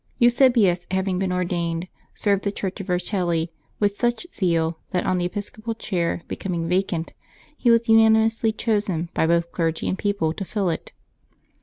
Eusebius having been ordained, served the Church of Vercelli with such zeal that on the episcopal chair becoming vacant he was unani mously chosen, by both clergy and people, to fill it.